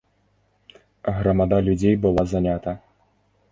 Грамада людзей была занята.